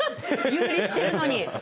遊離してるのに？